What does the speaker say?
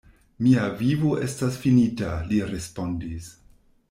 Mia vivo estas finita, li respondis.